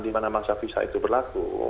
dimana masa visa itu berakhir